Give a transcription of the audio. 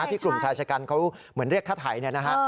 ที่กลุ่มชายชกันเขาเหมือนเรียกค่าไถ่